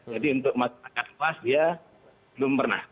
jadi untuk masyarakat kelas dia belum pernah